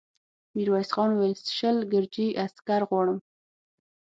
ميرويس خان وويل: شل ګرجي عسکر غواړم.